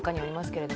けれど